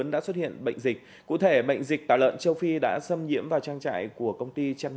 đã xuất hiện bệnh dịch cụ thể bệnh dịch tả lợn châu phi đã xâm nhiễm vào trang trại của công ty chăn